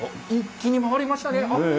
一気に回りましたね。